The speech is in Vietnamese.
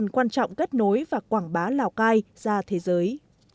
quan trọng kết nối và quảng bá lào cai ra thế giới